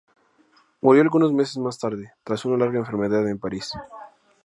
Murió algunos meses más tarde, tras una larga enfermedad en París.